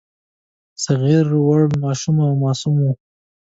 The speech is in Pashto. صغیر وړ، ماشوم او معصوم وو.